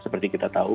seperti kita tahu